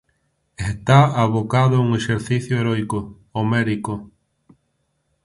Está abocado á un exercicio heroico, homérico.